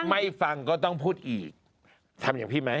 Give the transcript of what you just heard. ไม่ฟังก็ต้องพูดอีกทำอย่างพี่ไหม